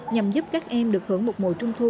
nhằm giúp các em được hưởng một mùa trung thu